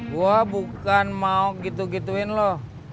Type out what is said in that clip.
gue bukan mau gitu gituin loh